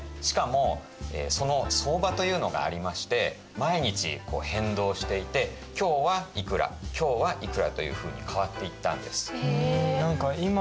しかもその相場というのがありまして毎日変動していて今日はいくら今日はいくらというふうに変わっていったんです。